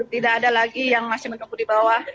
tidak ada lagi yang masih menunggu di bawah